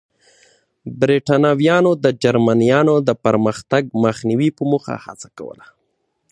برېټانویانو د جرمنییانو د پرمختګ مخنیوي په موخه هڅه کوله.